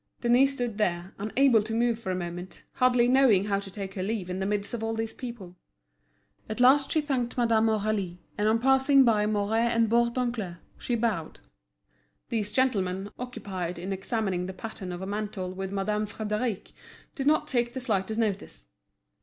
Denise stood there, unable to move for a moment, hardly knowing how to take her leave in the midst of all these people. At last she thanked Madame Aurélie, and on passing by Mouret and Bourdoncle, she bowed. These gentlemen, occupied in examining the pattern of a mantle with Madame Frédéric, did not take the slightest notice.